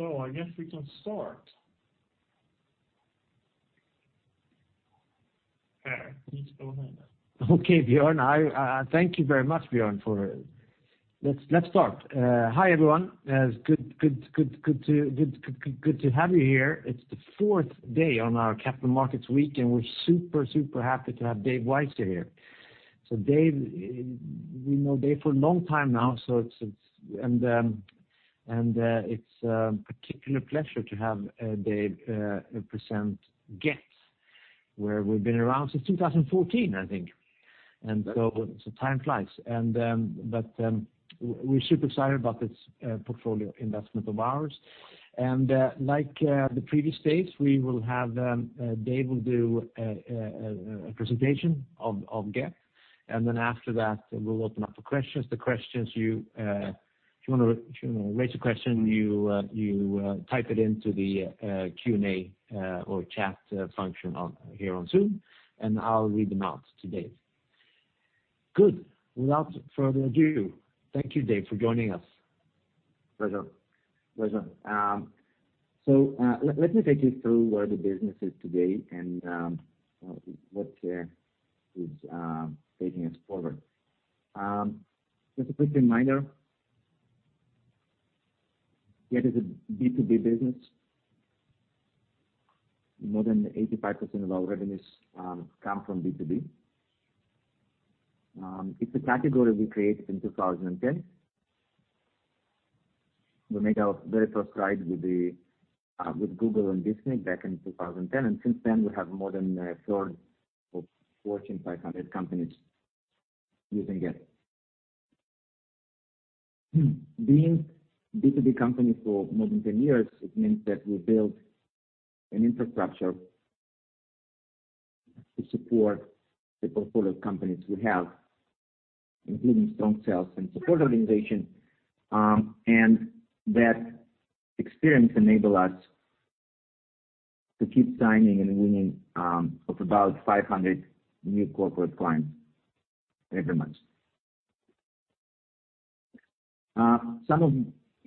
I guess we can start. Per, please go ahead. Okay, Björn. Thank you very much, Björn. Let's start. Hi, everyone. It's good to have you here. It's the fourth day of our Capital Markets Week, and we're super happy to have Dave Waiser here. Dave, we know Dave for a long time now, and it's a particular pleasure to have Dave present Gett, where we've been around since 2014, I think. That's right. Time flies. We're super excited about this portfolio investment of ours. Like the previous days, Dave will do a presentation of Gett, and then after that, we'll open up for questions. If you want to raise a question, you type it into the Q&A or chat function here on Zoom, and I'll read them out to Dave. Good. Without further ado, thank you Dave for joining us. Pleasure. Let me take you through where the business is today and what is taking us forward. Just a quick reminder, Gett is a B2B business. More than 85% of our revenues come from B2B. It's a category we created in 2010. We made our very first ride with Google and Disney back in 2010, and since then we have more than a third of Fortune 500 companies using it. Being a B2B company for more than 10 years, it means that we built an infrastructure to support the portfolio of companies we have, including strong sales and support organization. That experience enable us to keep signing and winning about 500 new corporate clients every month.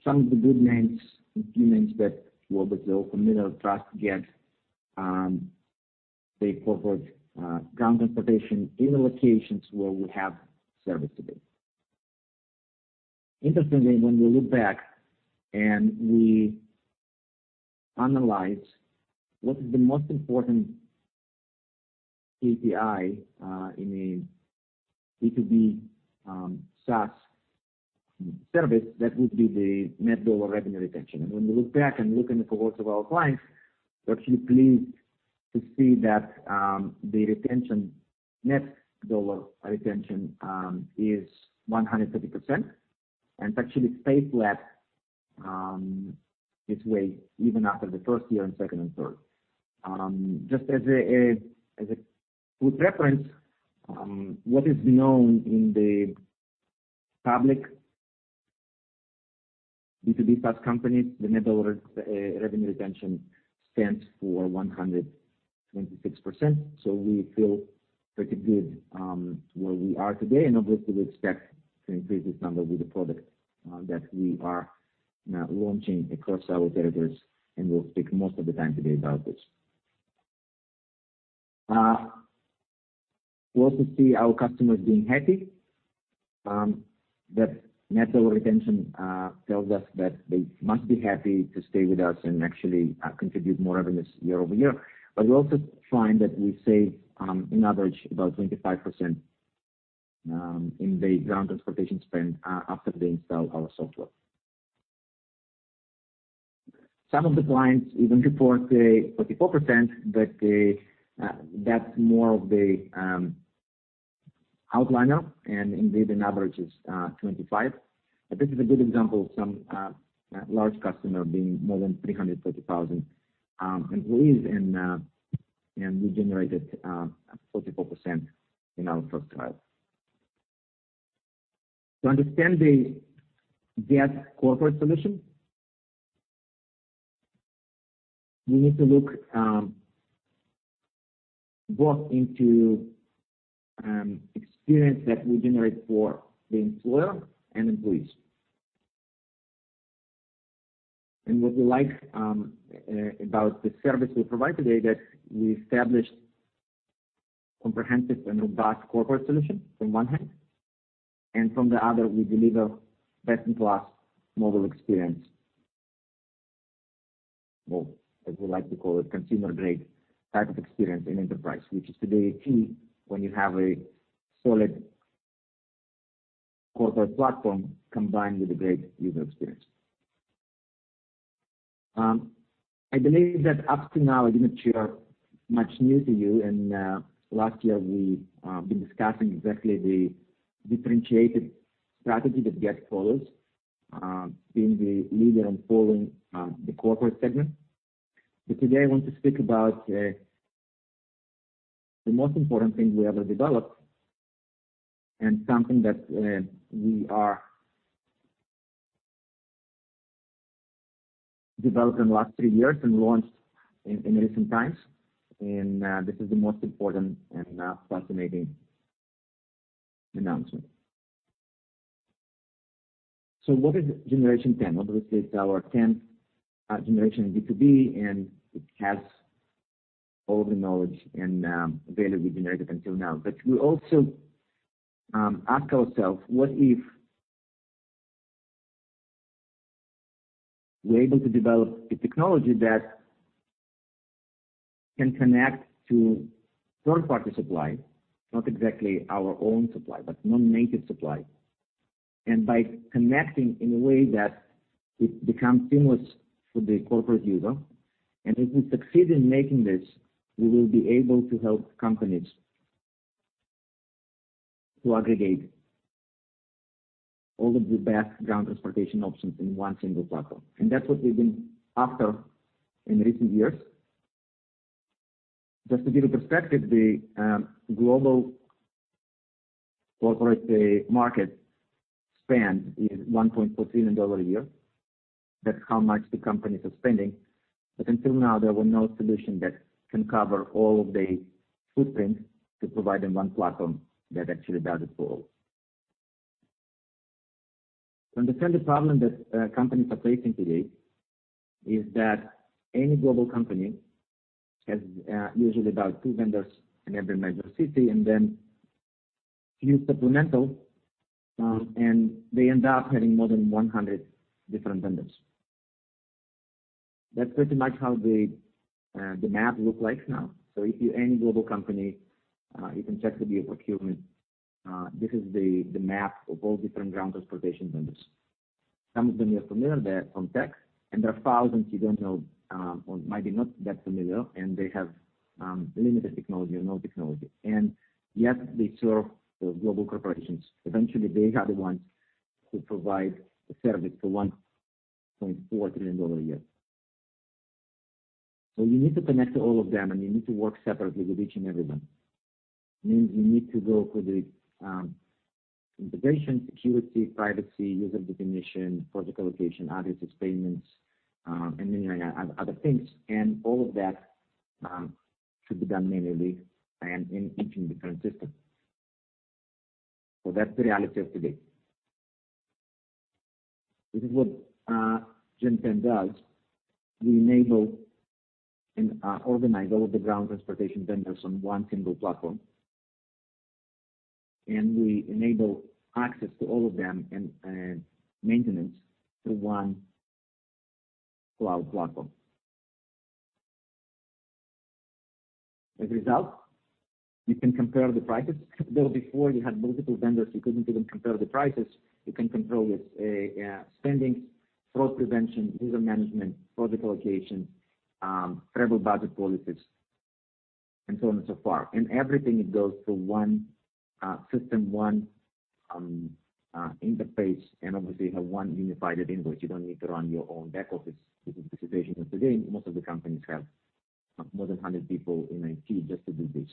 Some of the good names, a few names that will be familiar, trust Gett, the corporate ground transportation in the locations where we have service today. Interestingly, when we look back and we analyze what is the most important KPI in a B2B SaaS service, that would be the net dollar revenue retention. When we look back and look in the cohorts of our clients, we're actually pleased to see that the net dollar retention is 150%, and it's actually stayed flat this way even after the first year, and second and third. Just as a good reference, what is known in the public B2B SaaS companies, the net dollar revenue retention stands for 126%. We feel pretty good where we are today, and obviously we expect to increase this number with the product that we are now launching across our territories, and we'll speak most of the time today about this. We also see our customers being happy. That net dollar retention tells us that they must be happy to stay with us and actually contribute more revenues year-over-year. We also find that we save on average about 25% in the ground transportation spend after they install our software. Some of the clients even report 44%, that's more of the outlier, and indeed an average is 25. This is a good example of some large customer being more than 330,000 employees, and we generated 44% in our first ride. To understand the Gett corporate solution, we need to look both into experience that we generate for the employer and employees. What we like about the service we provide today, that we established comprehensive and robust corporate solution from one hand, and from the other, we deliver best-in-class mobile experience. Well, as we like to call it, consumer-grade type of experience in enterprise, which is today a key when you have a solid corporate platform combined with a great user experience. I believe that up to now I didn't share much new to you. Last year we've been discussing exactly the differentiated strategy that Gett follows, being the leader and following the corporate segment. Today I want to speak about the most important thing we ever developed and something that we are developing the last three years and launched in recent times. This is the most important and fascinating announcement. What is Generation 10? Obviously, it's our 10th generation B2B. It has all the knowledge and value we've generated until now. We also ask ourselves, what if we're able to develop a technology that can connect to third-party supply, not exactly our own supply, but non-native supply. By connecting in a way that it becomes seamless for the corporate user, and if we succeed in making this, we will be able to help companies to aggregate all of the best ground transportation options in one single platform. That's what we've been after in recent years. Just to give you perspective, the global corporate market span is $1.4 trillion a year. That's how much the companies are spending. Until now, there were no solution that can cover all of the footprint to provide in one platform that actually does it for all. understand the problem that companies are facing today is that any global company has usually about two vendors in every major city and then few supplemental, and they end up having more than 100 different vendors. That's pretty much how the map look like now. if you're any global company, you can check with your procurement. This is the map of all different ground transportation vendors. Some of them you're familiar with from tech, and there are thousands you don't know or might be not that familiar, and they have limited technology or no technology. yet they serve the global corporations. Eventually, they are the ones who provide the service for $1.4 trillion a year. you need to connect to all of them, and you need to work separately with each and everyone. Means you need to go through the integration, security, privacy, user definition, project allocation, addresses, payments, and many other things. All of that should be done manually and in each different system. That's the reality of today. This is what Gen 10 does. We enable and organize all of the ground transportation vendors on one single platform. We enable access to all of them and maintenance through one cloud platform. As a result, you can compare the prices. Though before you had multiple vendors, you couldn't even compare the prices. You can control your spending, fraud prevention, user management, project allocation, travel budget policies, and so on and so far. Everything, it goes through one system, one interface, and obviously, you have one unified invoice. You don't need to run your own back office with this situation. Today, most of the companies have more than 100 people in IT just to do this.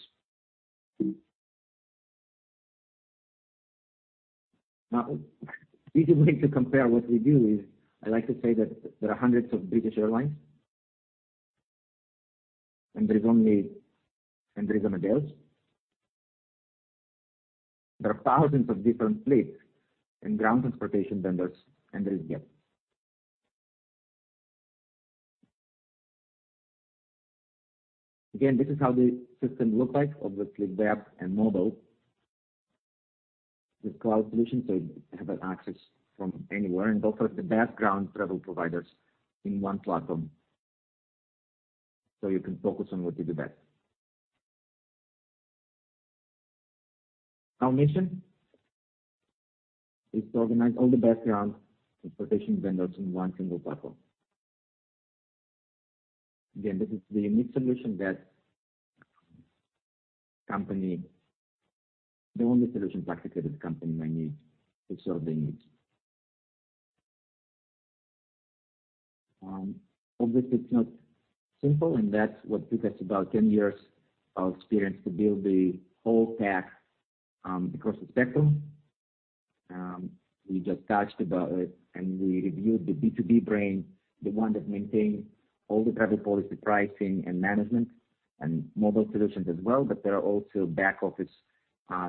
Easy way to compare what we do is I like to say that there are hundreds of British Airlines, and there is only [Amadeus]. There are thousands of different fleets and ground transportation vendors, and there is Gett. This is how the system look like, obviously web and mobile with cloud solution, so you have an access from anywhere. It offers the best ground travel providers in one platform, so you can focus on what you do best. Our mission is to organize all the best ground transportation vendors in one single platform. The only solution practically that company might need to serve their needs. It's not simple, and that's what took us about 10 years of experience to build the whole tech across the spectrum. We just touched about it, we reviewed the B2B brain, the one that maintain all the travel policy pricing and management and mobile solutions as well. There are also back office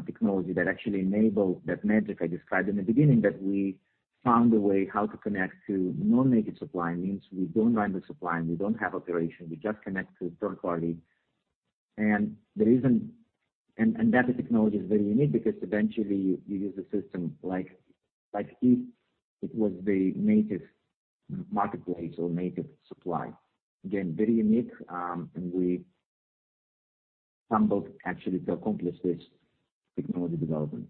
technology that actually enable that magic I described in the beginning, that we found a way how to connect to non-native supply. Means we don't run the supply, we don't have operation. We just connect to third party. That technology is very unique because eventually you use a system like if it was the native marketplace or native supply. Again, very unique, we stumbled actually to accomplish this technology development.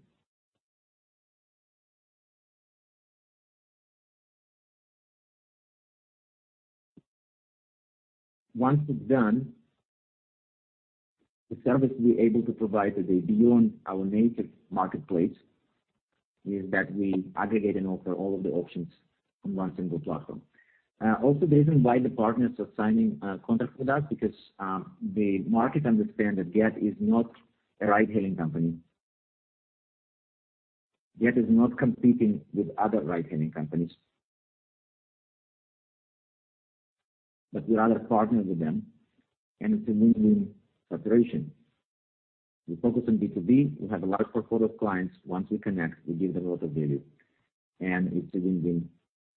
Once it's done, the service we're able to provide today beyond our native marketplace is that we aggregate and offer all of the options on one single platform. Also, the reason why the partners are signing a contract with us, because the market understand that Gett is not a ride-hailing company. Gett is not competing with other ride-hailing companies. We are a partner with them, and it's a win-win cooperation. We focus on B2B. We have a large portfolio of clients. Once we connect, we give them a lot of value, and it's a win-win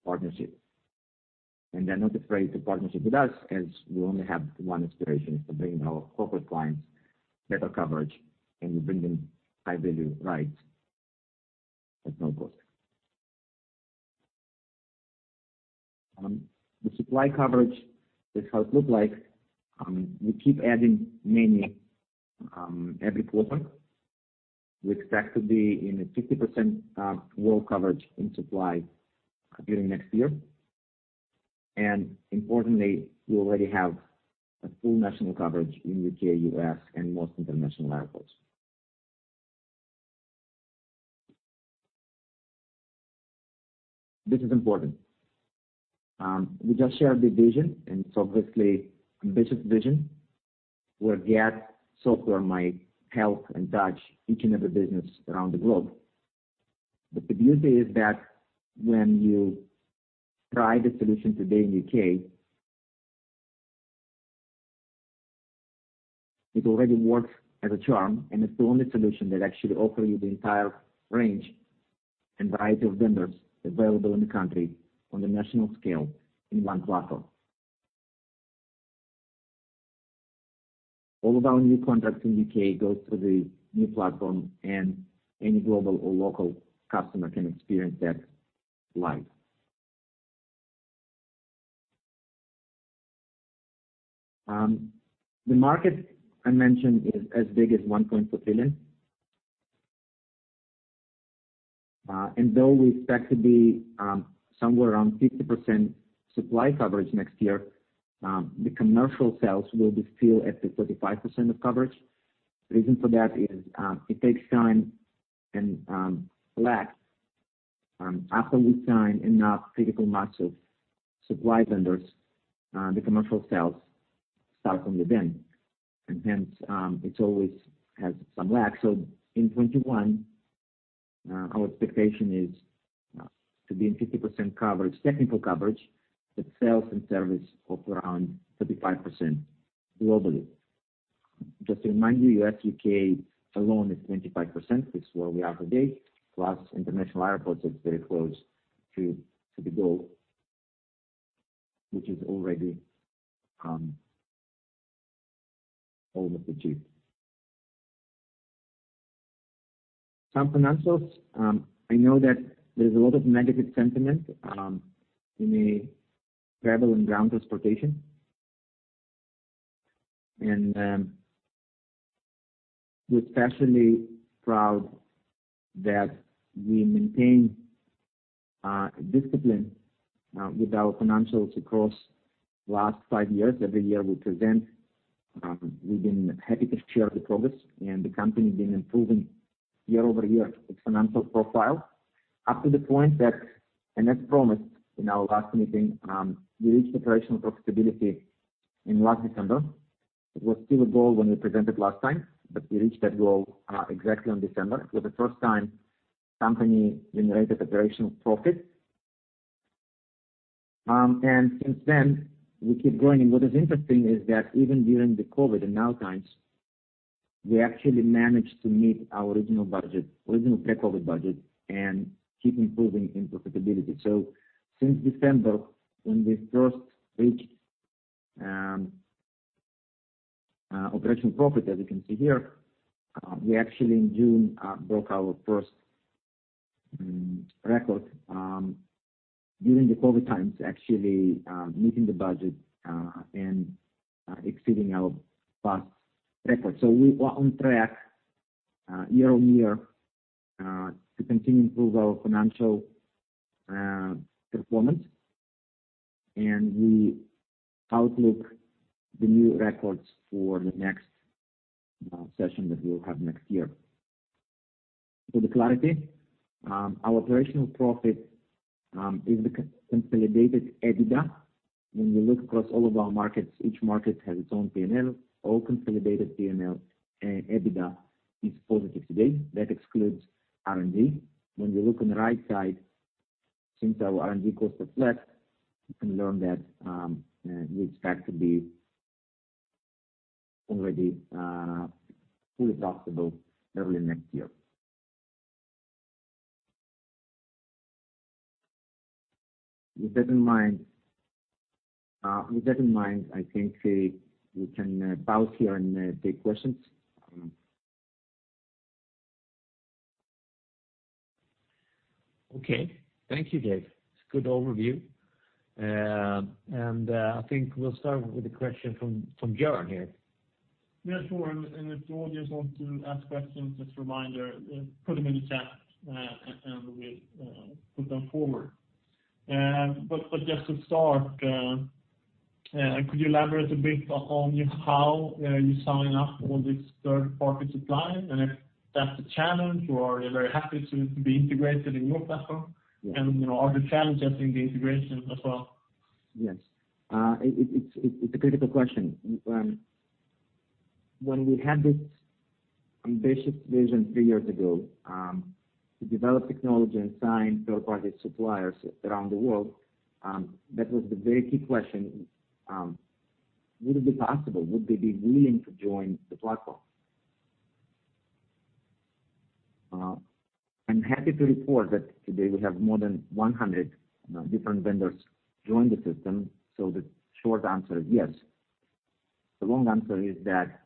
partnership. They're not afraid to partnership with us as we only have one aspiration, is to bring our corporate clients better coverage, and we bring them high-value rides at no cost. The supply coverage is how it look like. We keep adding many every quarter. We expect to be in a 50% world coverage in supply during next year. Importantly, we already have a full national coverage in U.K., U.S., and most international airports. This is important. We just shared the vision, and it's obviously ambitious vision, where Gett software might help and touch each and every business around the globe. The beauty is that when you try the solution today in U.K., it already works as a charm, and it's the only solution that actually offer you the entire range and variety of vendors available in the country on the national scale in one platform. All of our new contracts in U.K. goes to the new platform, and any global or local customer can experience that live. The market I mentioned is as big as 1.4 billion. Though we expect to be somewhere around 50% supply coverage next year, the commercial sales will be still at the 35% of coverage. The reason for that is it takes time and lag. After we sign enough critical mass of supply vendors, the commercial sales start from within, it's always has some lag. In 2021, our expectation is to be in 50% technical coverage, but sales and service of around 35% globally. Just to remind you, U.S., U.K. alone is 25%. It's where we are today. Plus international airports is very close to the goal, which is already almost achieved. Some financials. I know that there's a lot of negative sentiment in the travel and ground transportation. We're especially proud that we maintain discipline with our financials across last five years. Every year we present, we've been happy to share the progress, and the company been improving year-over-year its financial profile up to the point that, and as promised in our last meeting, we reached operational profitability in last December. It was still a goal when we presented last time, but we reached that goal exactly on December. It was the first time company generated operational profit. Since then, we keep growing. What is interesting is that even during the COVID and now times, we actually managed to meet our original pre-COVID budget and keep improving in profitability. Since December, when we first reached operational profit, as you can see here, we actually in June broke our first record during the COVID times, actually meeting the budget and exceeding our past record. We are on track year-on-year to continue improve our financial performance. we outlook the new records for the next session that we'll have next year. For the clarity, our operational profit is the consolidated EBITDA. When you look across all of our markets, each market has its own P&L. All consolidated P&L and EBITDA is positive today. That excludes R&D. When you look on the right side, since our R&D cost are flat, you can learn that we expect to be already fully profitable early next year. With that in mind, I think we can pause here and take questions. Okay. Thank you, Dave. It's a good overview. I think we'll start with a question from Björn here. Yeah, sure. If the audience want to ask questions, just a reminder, put them in the chat, and we'll put them forward. Just to start, could you elaborate a bit on how you're signing up all these third-party suppliers, and if that's a challenge or they're very happy to be integrated in your platform? Are there challenges in the integration as well? Yes. It's a critical question. When we had this ambitious vision three years ago to develop technology and sign third-party suppliers around the world, that was the very key question. Would it be possible? Would they be willing to join the platform? I'm happy to report that today we have more than 100 different vendors join the system. The short answer is yes. The long answer is that,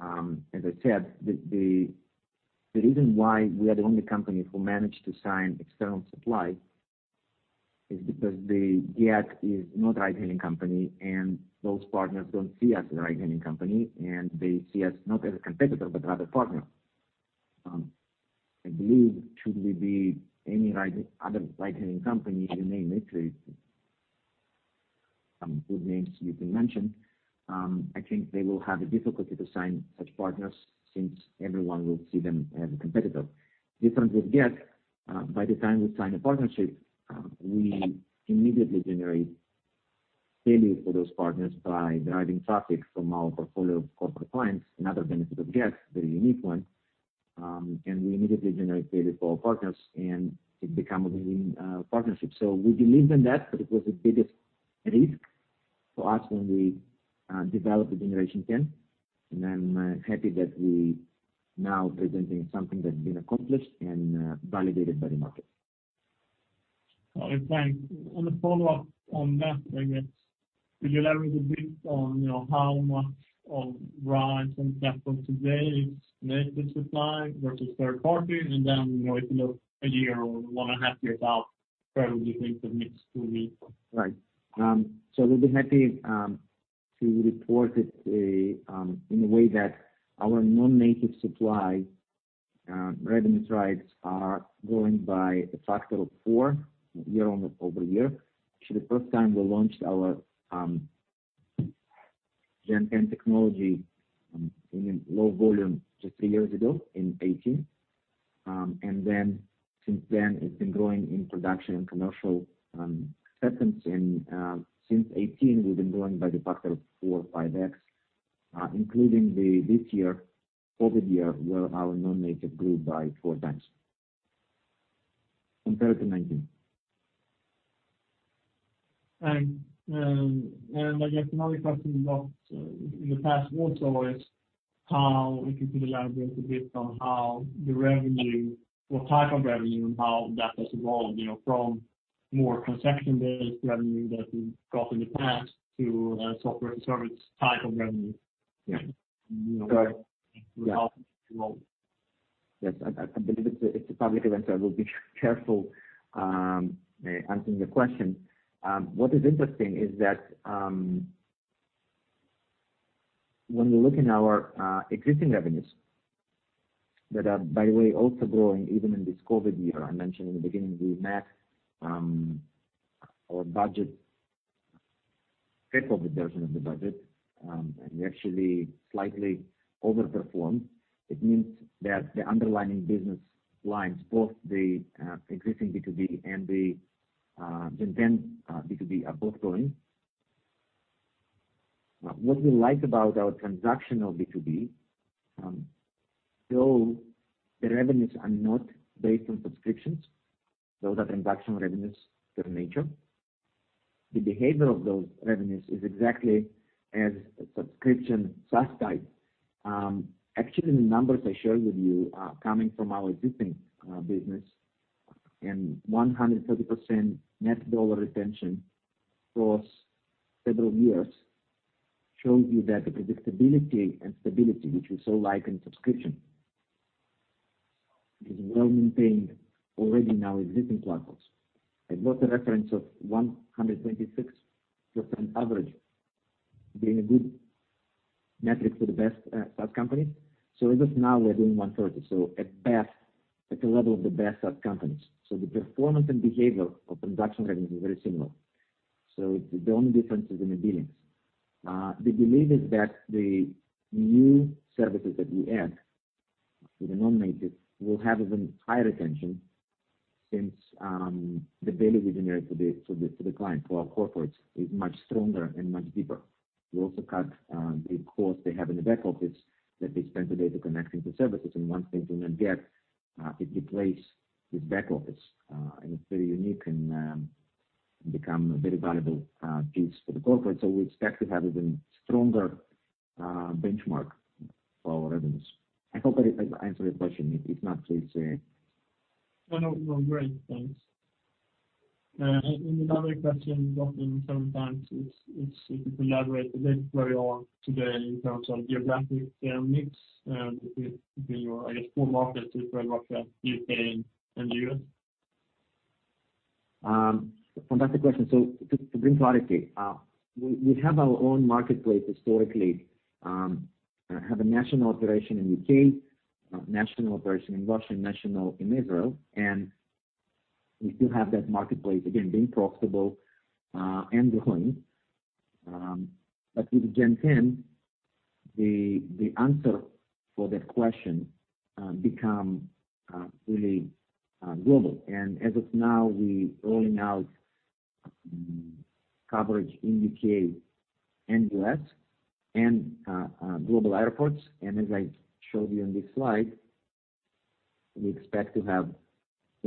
as I said, the reason why we are the only company who managed to sign external supply is because Gett is not a ride-hailing company, and those partners don't see us as a ride-hailing company, and they see us not as a competitor, but rather partner. I believe should we be any other ride-hailing company, you name it, some good names you can mention. I think they will have a difficulty to sign such partners since everyone will see them as a competitor. Difference with Gett, by the time we sign a partnership, we immediately generate value for those partners by driving traffic from our portfolio of corporate clients. Another benefit of Gett, very unique one, and we immediately generate value for our partners, and it become a winning partnership. We believed in that, but it was the biggest risk for us when we developed the Generation 10, and I'm happy that we now presenting something that's been accomplished and validated by the market. Okay, thanks. On a follow-up on that, I guess, could you elaborate a bit on how much of rides on platform today is native supply versus third party? if you know, a year or one and a half year out, where would you think the mix will be? Right. We'll be happy to report it in a way that our non-native supply revenue rides are growing by a factor of four year-on-over-year. Actually, the first time we launched our Gen 10 technology in low volume just three years ago in 2018. Since then, it's been growing in production and commercial acceptance. Since 2018, we've been growing by the factor of four, 5x, including this year, COVID year, where our non-native grew by four times compared to 2019. I guess another question we got in the past also is how, if you could elaborate a bit on how the revenue, what type of revenue and how that has evolved, from more transaction-based revenue that we've got in the past to a software service type of revenue. Yeah. Go ahead. Yes, I believe it's a public event, so I will be careful answering the question. What is interesting is that when we look in our existing revenues that are, by the way, also growing even in this COVID year. I mentioned in the beginning we met our budget, triple the version of the budget, and we actually slightly overperformed. It means that the underlying business lines, both the increasing B2B and the Gen 10 B2B are both growing. What we like about our transaction of B2B, though the revenues are not based on subscriptions, those are transaction revenues to the nature. The behavior of those revenues is exactly as a subscription SaaS type. Actually, the numbers I shared with you are coming from our existing business, and 130% net dollar retention across several years shows you that the predictability and stability which we so like in subscription is well maintained already in our existing platforms. I brought a reference of 126% average being a good metric for the best SaaS company. As of now, we're doing 130, so at path, at the level of the best SaaS companies. The performance and behavior of transaction revenue is very similar. The only difference is in the billions. The belief is that the new services that we add to the non-native will have even higher retention since the value we generate for the client, for our corporates, is much stronger and much deeper. We also cut the cost they have in the back office that they spend today to connecting to services. once they join on Gett, it replaces this back office, and it's very unique and become a very valuable piece for the corporate. we expect to have an even stronger benchmark for our revenues. I hope I answered your question. If not, please say. No, great. Thanks. Another question got in several times is if you could elaborate a bit where you are today in terms of geographic mix between your, I guess, four markets, Israel, Russia, U.K., and the U.S. Fantastic question. To bring clarity. We have our own marketplace historically. Have a national operation in U.K., national operation in Russia, and national in Israel, and we still have that marketplace, again, being profitable and growing. With Gen 10, the answer for that question become really global. As of now, we rolling out coverage in the U.K. and U.S. and global airports. As I showed you on this slide, we expect to have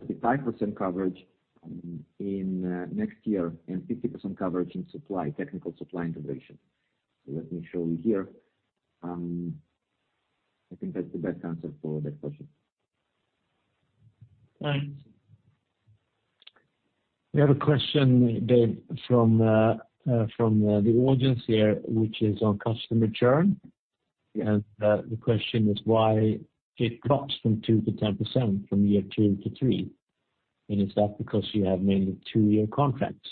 55% coverage in next year and 50% coverage in technical supply integration. Let me show you here. I think that's the best answer for that question. Thanks. We have a question, Dave, from the audience here, which is on customer churn. Yes. The question is why it drops from 2% to 10% from year two to three. Is that because you have mainly two-year contracts?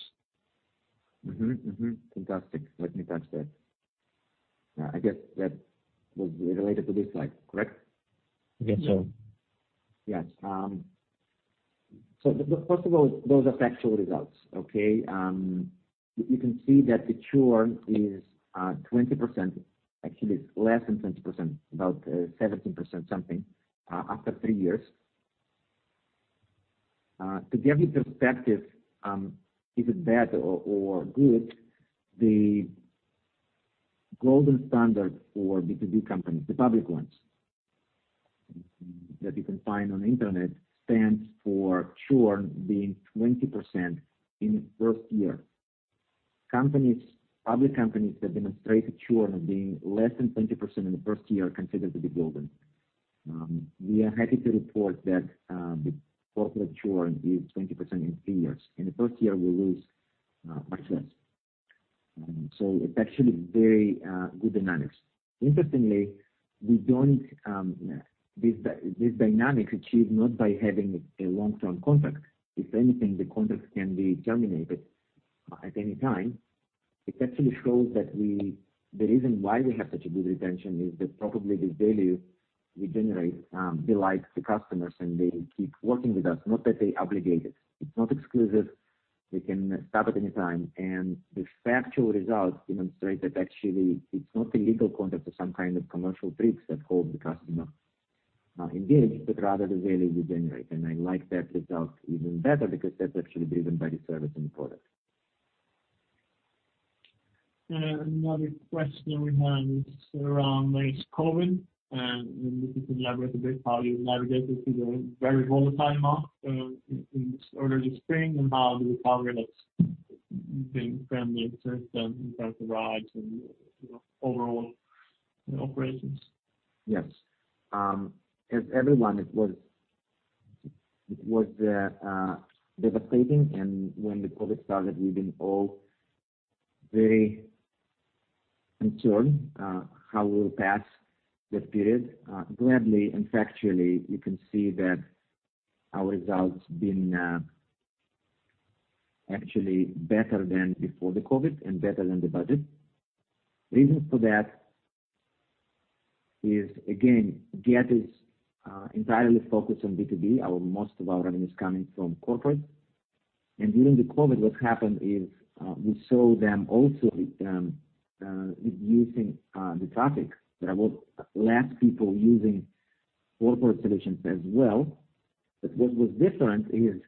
Mm-hmm. Fantastic. Let me touch that. I guess that was related to this slide, correct? I guess so. Yes. First of all, those are factual results, okay? You can see that the churn is 20%, actually it's less than 20%, about 17% something after three years. To give you perspective if it's bad or good, the golden standard for B2B companies, the public ones that you can find on the internet, stands for churn being 20% in the first year. Public companies that demonstrate churn of being less than 20% in the first year are considered to be golden. We are happy to report that the corporate churn is 20% in three years. In the first year, we lose much less. It's actually very good dynamics. Interestingly, these dynamics achieve not by having a long-term contract. If anything, the contract can be terminated at any time. It actually shows that the reason why we have such a good retention is that probably the value we generate delights the customers, and they keep working with us, not that they're obligated. It's not exclusive. They can stop at any time. The factual results demonstrate that actually it's not a legal contract or some kind of commercial tricks that hold the customer engaged, but rather the value we generate. I like that result even better because that's actually driven by the service and product. Another question we have is around COVID, and if you can elaborate a bit how you navigated through the very volatile time in the order of spring, and how the recovery has been from the system in terms of rides and overall operations? Yes. As everyone, it was devastating. When the COVID started, we've been all very concerned how we'll pass that period. Gladly and factually, you can see that our results have been actually better than before the COVID and better than the budget. Reasons for that is, again, Gett is entirely focused on B2B. Most of our revenue is coming from corporate. During the COVID, what happened is, we saw them also reducing the traffic. There were less people using corporate solutions as well. What was different is,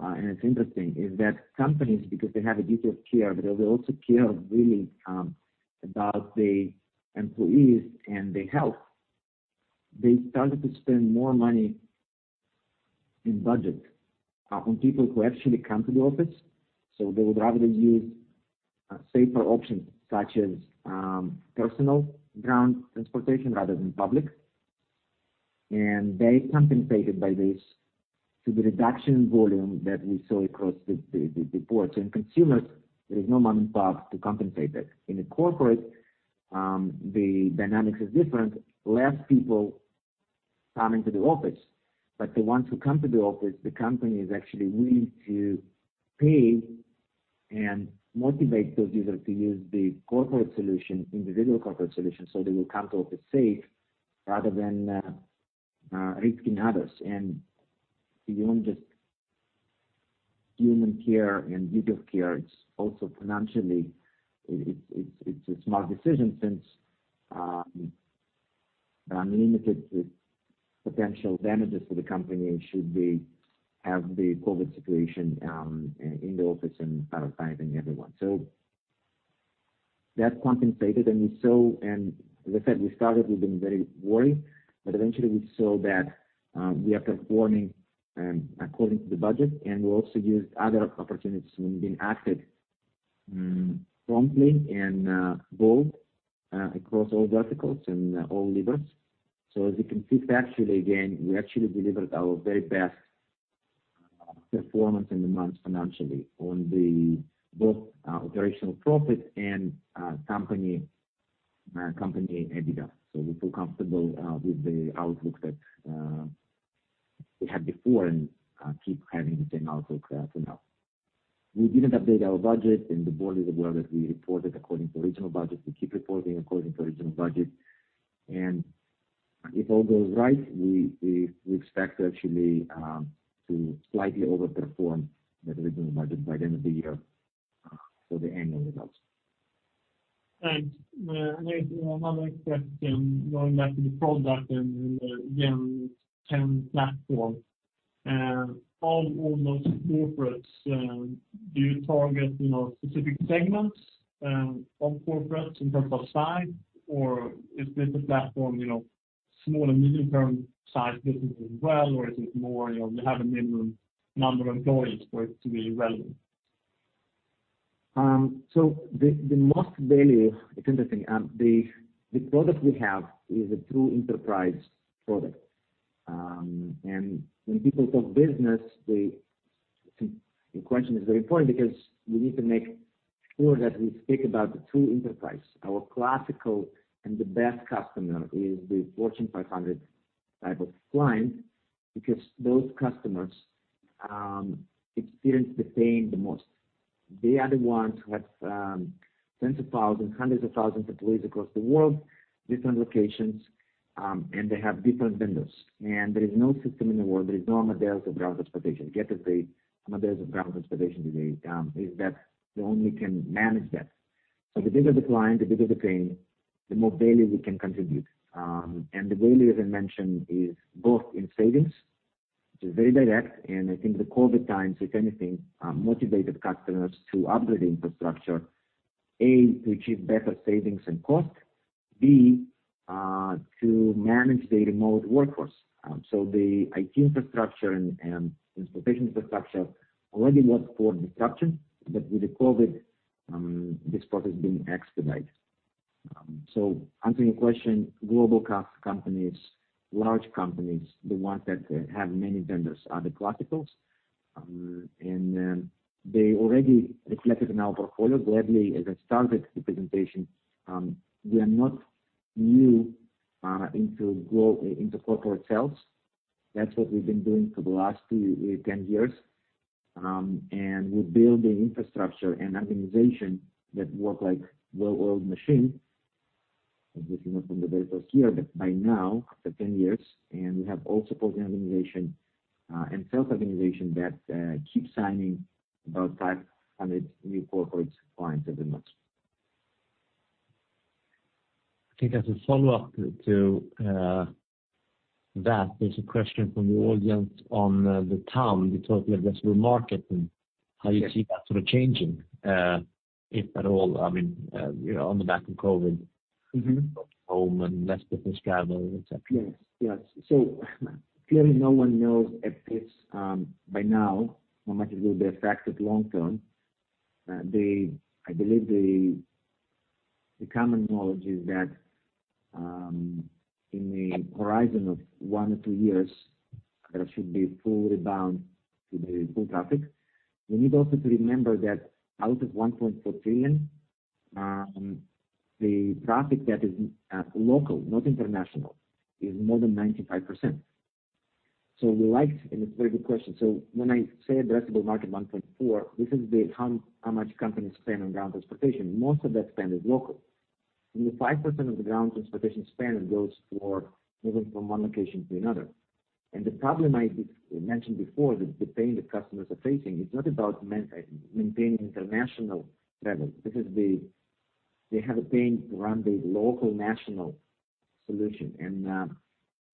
and it's interesting, is that companies, because they have a duty of care, but they also care really about their employees and their health. They started to spend more money in budget on people who actually come to the office. They would rather use safer options such as personal ground transportation rather than public. they compensated by this to the reduction in volume that we saw across the boards. In consumers, there is no money back to compensate that. In the corporate, the dynamics is different. Less people coming to the office, but the ones who come to the office, the company is actually willing to pay and motivate those users to use the corporate solution, individual corporate solution, so they will come to office safe rather than risking others. beyond just human care and duty of care, it's also financially it's a smart decision since unlimited potential damages for the company should they have the COVID situation in the office and paralyzing everyone. that compensated, and as I said, we started, we've been very worried, but eventually we saw that we are performing according to the budget. We also used other opportunities when we've been acted promptly and bold across all verticals and all levers. as you can see factually again, we actually delivered our very best performance in the month financially on the both operational profit and company EBITDA. we feel comfortable with the outlook that we had before and keep having the same outlook for now. We didn't update our budget, and the board is aware that we reported according to original budget. We keep reporting according to original budget. if all goes right, we expect actually to slightly over-perform the original budget by the end of the year for the annual results. Thanks. I have another question going back to the product and again, the TEM platform. Of all those corporates, do you target specific segments of corporates in terms of size, or is this a platform small and medium-term size businesses as well, or is it more you have a minimum number of employees for it to be relevant? The most value, it's interesting. The product we have is a true enterprise product. When people talk business, your question is very important because we need to make sure that we speak about the true enterprise. Our classical and the best customer is the Fortune 500 type of client, because those customers experience the pain the most. They are the ones who have tens of thousands, hundreds of thousands employees across the world, different locations, and they have different vendors. There is no system in the world, there is no Amadeus of ground transportation. Gett. Amadeus of ground transportation today is that you only can manage that. The bigger the client, the bigger the pain, the more value we can contribute. The value, as I mentioned, is both in savings, which is very direct, and I think the COVID times, if anything, motivated customers to upgrade infrastructure. A, to achieve better savings and cost. B, to manage the remote workforce. The IT infrastructure and transportation infrastructure already was for disruption, but with the COVID, this process being expedited. Answering your question, global companies, large companies, the ones that have many vendors, are the classicals. They already reflected in our portfolio. Gladly, as I started the presentation, we are not new into corporate sales. That's what we've been doing for the last 10 years. We're building infrastructure and organization that work like well-oiled machine, as we came up from the very first year, but by now, after 10 years, and we have all support and sales organization that keeps signing about 500 new corporate clients every month. I think as a follow-up to that, there's a question from the audience on the TAM. You talked about the addressable market and how you see that sort of changing, if at all, on the back of COVID. Work from home and less business travel, et cetera. Yes. Clearly, no one knows if it's by now how much it will be affected long term. I believe the common knowledge is that in the horizon of one or two years, there should be full rebound to the full traffic. We need also to remember that out of 1.4 trillion, the traffic that is local, not international, is more than 95%. It's a very good question. When I say addressable market 1.4, this is how much companies spend on ground transportation. Most of that spend is local. Only 5% of the ground transportation spend goes for moving from one location to another. The problem I mentioned before, the pain the customers are facing, is not about maintaining international travel. This is they have a pain around the local national solution, and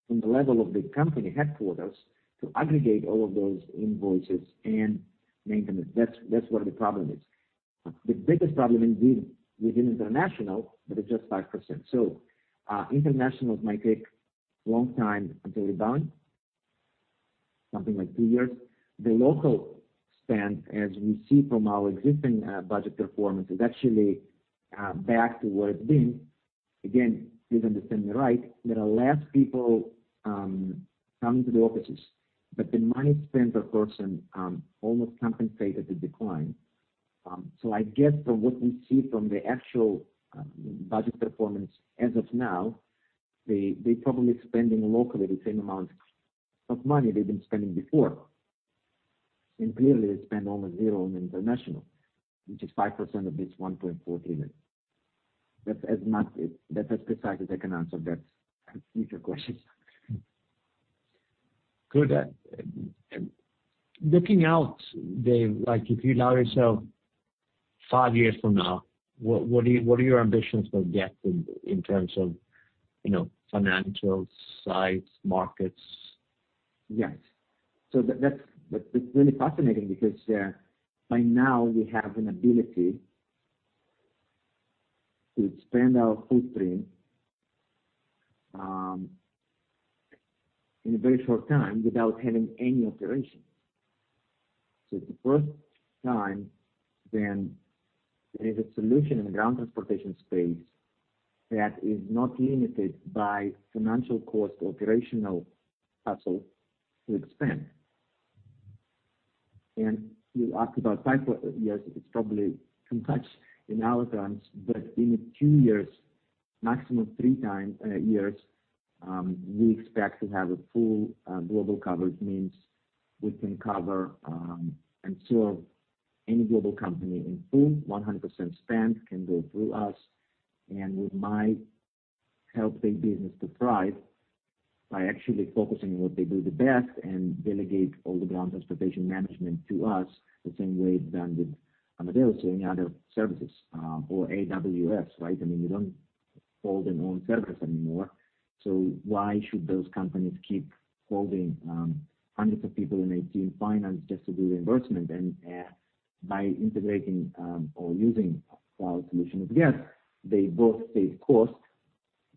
from the level of the company headquarters to aggregate all of those invoices and maintenance. That's where the problem is. The biggest problem is within international, but it's just 5%. Internationals might take a long time until rebound, something like two years. The local spend, as we see from our existing budget performance, is actually back to where it's been. Again, please understand me right, there are less people coming to the offices, but the money spent per person almost compensated the decline. I guess from what we see from the actual budget performance as of now, they're probably spending locally the same amount of money they've been spending before. Clearly, they spend almost zero on international, which is 5% of this 1.4 trillion. That's as precise as I can answer that particular question. Good. Looking out, Dave, if you allow yourself five years from now, what are your ambitions for Gett in terms of financial, size, markets? Yes. that's really fascinating because by now we have an ability to expand our footprint in a very short time without having any operation. it's the first time then there is a solution in the ground transportation space that is not limited by financial cost, operational hassle to expand. you asked about five years. It's probably complex in our terms, but in a few years, maximum three years, we expect to have a full global coverage means we can cover and serve any global company in full, 100% spend can go through us. we might help big business to thrive by actually focusing on what they do the best and delegate all the ground transportation management to us, the same way Amazon did or any other services, or AWS, right? You don't hold an own service anymore. why should those companies keep holding hundreds of people in a team finance just to do reimbursement? by integrating or using our solution with Gett, they both save cost,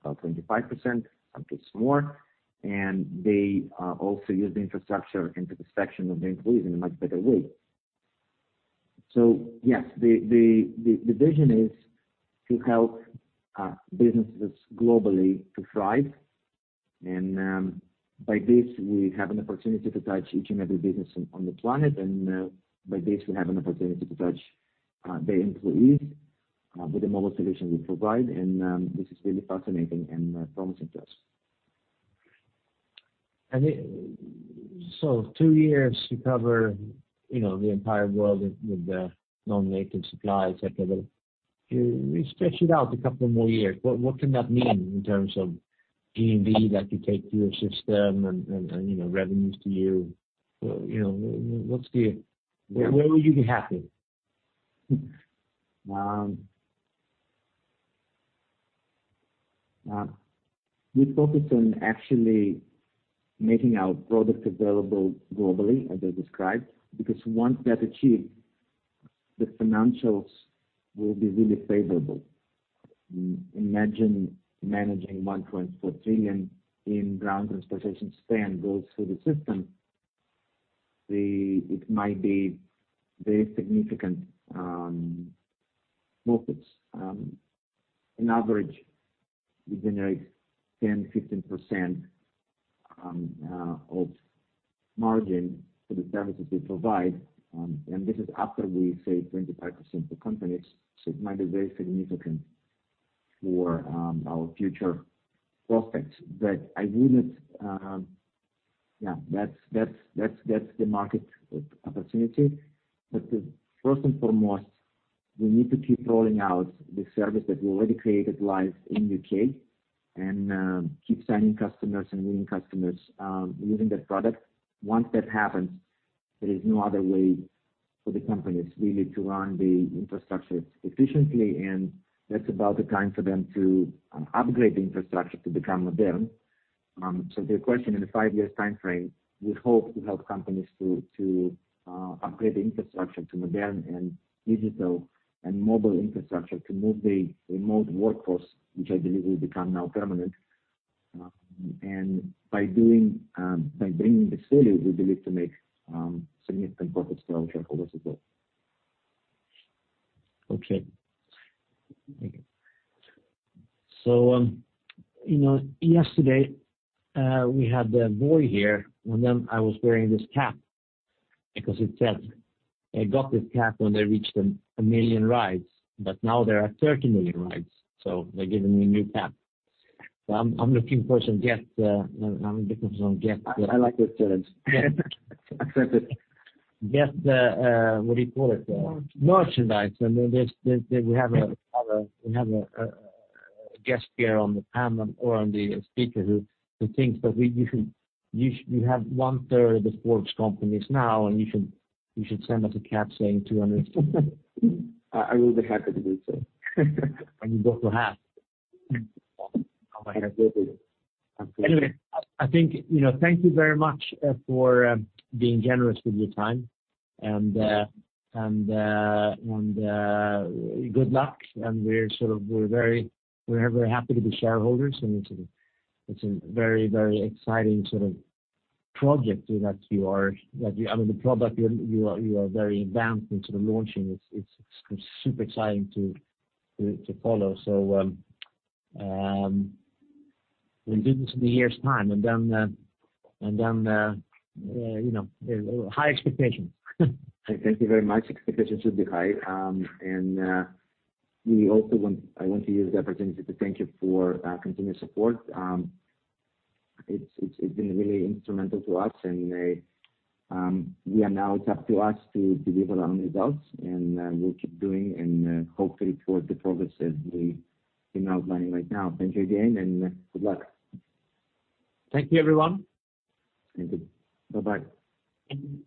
about 25%, some cases more, and they also use the infrastructure and to the section of the employees in a much better way. yes, the vision is to help businesses globally to thrive. by this, we have an opportunity to touch each and every business on the planet. by this, we have an opportunity to touch the employees with the mobile solution we provide. this is really fascinating and promising to us. two years to cover the entire world with the non-native supply, et cetera. We stretch it out a couple of more years, what can that mean in terms of P&D that you take to your system and revenues to you? Where will you be happy? We focus on actually making our product available globally as I described, because once that's achieved, the financials will be really favorable. Imagine managing 1.4 trillion in ground transportation spend goes through the system. It might be very significant profits. On average, we generate 10%, 15% of margin for the services we provide. This is after we save 25% for companies. It might be very significant for our future prospects. That's the market opportunity. First and foremost, we need to keep rolling out the service that we already created live in U.K. and keep signing customers and winning customers using that product. Once that happens, there is no other way for the companies really to run the infrastructure efficiently, and that's about the time for them to upgrade the infrastructure to become modern. To your question in the five years timeframe, we hope to help companies to upgrade the infrastructure to modern and digital and mobile infrastructure to move the remote workforce, which I believe will become now permanent. By bringing the value, we believe to make significant profits for our shareholders as well. Okay. yesterday we had Voi here, and then I was wearing this cap because it said I got this cap when they reached a million rides, but now there are 30 million rides, so they're giving me a new cap. I'm looking for some Gett- I like this challenge. Accepted. Gett, what do you call it? Merchandise. Merchandise. We have a guest here on the panel or on the speaker who thinks that you have one-third of the Forbes companies now, and you should send us a cap saying 200. I will be happy to do so. When you go to half. I will do it. Thank you very much for being generous with your time. Yeah. Good luck. We're very happy to be shareholders, and it's a very exciting sort of project that you are the product you are very advanced into launching. It's super exciting to follow. We'll do this in a year's time, and then high expectations. Thank you very much. Expectations should be high. I want to use the opportunity to thank you for continued support. It's been really instrumental to us, and now it's up to us to deliver on results, and we'll keep doing and hopefully towards the progress that we've been outlining right now. Thank you again, and good luck. Thank you everyone. Thank you. Bye-bye.